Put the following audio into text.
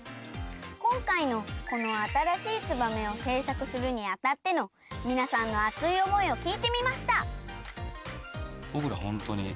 こんかいのこのあたらしい「ツバメ」をせいさくするにあたってのみなさんの熱い思いをきいてみました。